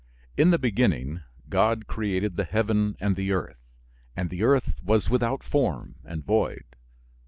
"In the beginning God created the heaven and the earth. And the earth was without form, and void."